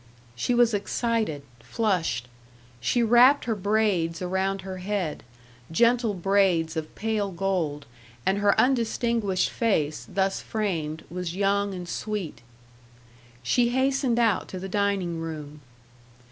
She was excited, flushed. She wrapped her braids around her head, gentle braids of pale gold, and her undistinguished face, thus framed, was young and sweet. She hastened out to the dining room.